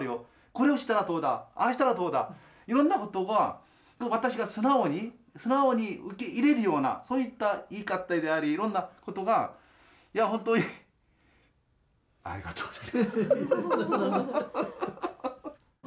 これをしたらどうだああしたらどうだいろんなことが私が素直に素直に受け入れるようなそういった言い方でありいろんなことがいやほんとにありがとうございます。